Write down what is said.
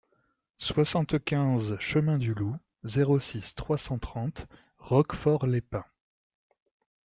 soixante-quinze chemin du Loup, zéro six, trois cent trente Roquefort-les-Pins